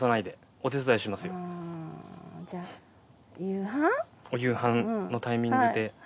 お夕飯のタイミングで。